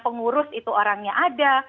pengurus itu orangnya ada